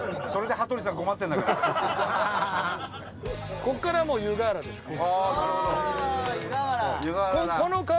長嶋：ここからもう湯河原ですから。